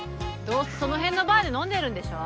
どうせその辺のバーで飲んでるんでしょ。